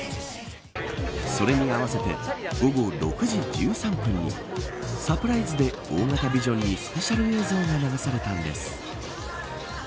それに合わせて午後６時１３分にサプライズで大型ビジョンにスペシャル映像が流されたんです。